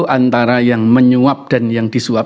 antara yang menyuap dan yang disuap